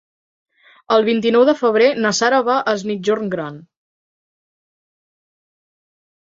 El vint-i-nou de febrer na Sara va a Es Migjorn Gran.